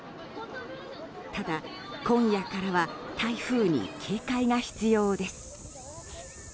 ただ今夜からは台風に警戒が必要です。